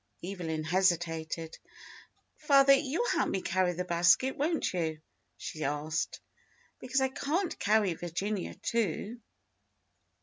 ^" Evelyn hesitated. "Father, you'll help me carry the basket, won't you.^" she asked. "Because I can't carry Virginia too."